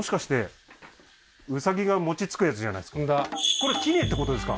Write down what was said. これ杵ってことですか？